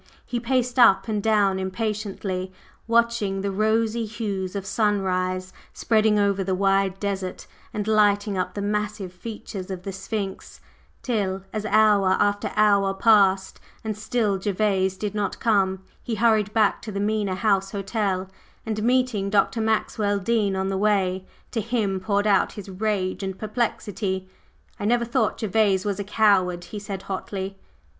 He paced up and down impatiently, watching the rosy hues of sunrise spreading over the wide desert and lighting up the massive features of the Sphinx, till as hour after hour passed and still Gervase did not come, he hurried back to the Mena House Hotel, and meeting Dr. Maxwell Dean on the way, to him poured out his rage and perplexity. "I never thought Gervase was a coward!" he said hotly.